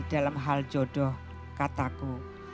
dalam hal jodoh kataku